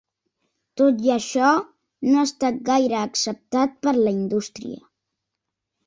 Tot i això, no ha estat gaire acceptat per la indústria.